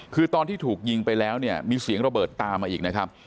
คือตอนที่ถูกยิงไปแล้วเนี่ยมีเสียงระเบิดตามมาอีกนะครับ